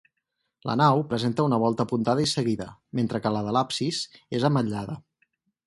La nau presenta una volta apuntada i seguida, mentre que la de l'absis és ametllada.